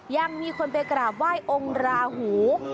ยังมีคนไปกราบไหว้องค์ราหู